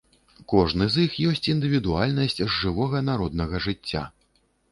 Кожны з іх ёсць індывідуальнасць з жывога народнага жыцця.